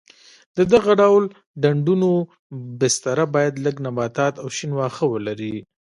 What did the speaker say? د دغه ډول ډنډونو بستره باید لږ نباتات او شین واښه ولري.